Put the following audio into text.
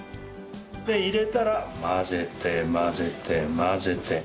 入れたら混ぜて混ぜて混ぜて。